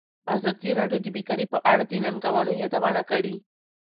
ازادي راډیو د بیکاري په اړه د ننګونو یادونه کړې.